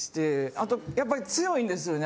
あとやっぱり強いんですよね